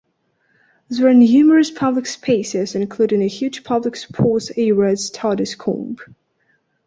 There are numerous public spaces including a huge public sports area at Staddiscombe.